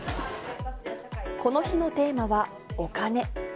この日のテーマはお金。